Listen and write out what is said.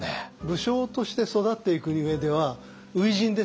武将として育っていく上では初陣ですよね。